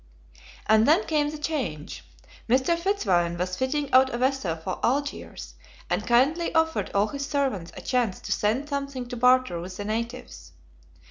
And then came the change. Mr. Fitzwarren was fitting out a vessel for Algiers, and kindly offered all his servants a chance to send something to barter with the natives.